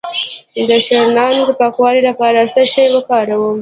د شریانونو د پاکوالي لپاره څه شی وکاروم؟